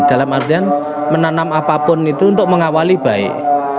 dalam artian menanam apapun itu untuk mengawali baik